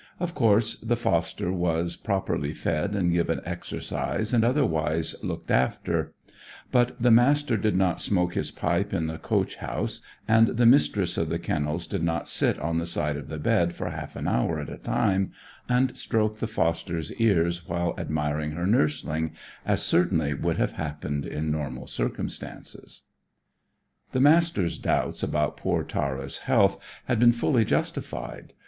Of course, the foster was properly fed and given exercise and otherwise looked after; but the Master did not smoke his pipe in the coach house, and the Mistress of the Kennels did not sit on the side of the bed for half an hour at a time and stroke the foster's ears while admiring her nursling, as certainly would have happened in normal circumstances. The Master's doubts about poor Tara's health had been fully justified.